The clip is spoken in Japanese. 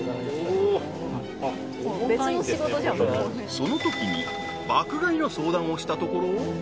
［そのときに爆買いの相談をしたところ］